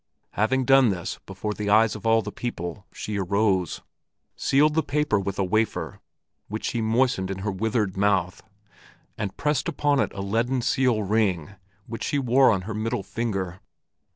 Having done this before the eyes of all the people she arose, sealed the paper with a wafer, which she moistened in her withered mouth, and pressed upon it a leaden seal ring which she wore on her middle finger.